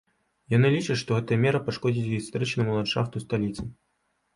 Яны лічаць, што гэтая мера пашкодзіць гістарычнаму ландшафту сталіцы.